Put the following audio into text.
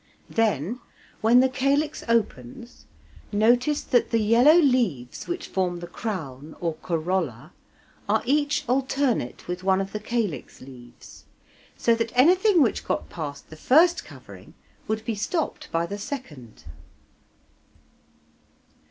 Then, when the calyx opens, notice that the yellow leaves which form the crown or corolla, are each alternate with one of the calyx leaves, so that anything which got past the first covering would be stopped by the second.